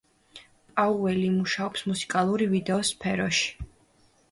პაუელი მუშაობს მუსიკალური ვიდეოს სფეროში.